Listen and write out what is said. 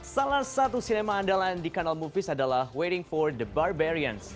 salah satu sinema andalan di kanal movies adalah wedding for the barberiance